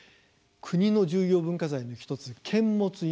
国の重要文化財の１つ、監物櫓。